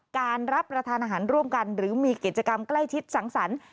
การรับประทานอาหารร่วมกันหรือมีกิจกรรมใกล้ชิดสังสรรค์